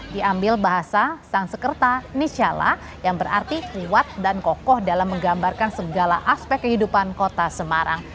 diambil bahasa sang sekerta nishala yang berarti kuat dan kokoh dalam menggambarkan segala aspek kehidupan kota semarang